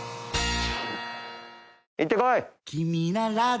・行って来い！